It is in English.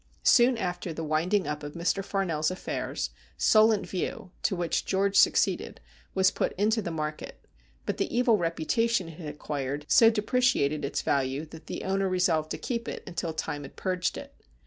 Soon after the winding up of Mr. Farnell's affairs, Solent View, to which George succeeded, was put into the market, but the evil reputation it had acquired so depreciated its value that the owner resolved to keep it until time had purged it.